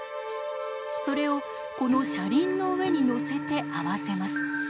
それをこの車輪の上にのせて合わせます。